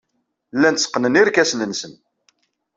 Llan tteqqnen irkasen-nsen.